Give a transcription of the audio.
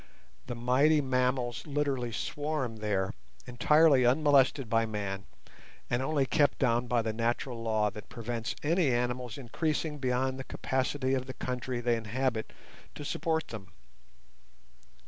The mighty mammals literally swarm there entirely unmolested by man, and only kept down by the natural law that prevents any animals increasing beyond the capacity of the country they inhabit to support them.